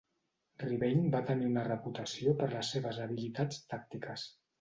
Rebane va tenir una reputació per les seves habilitats tàctiques.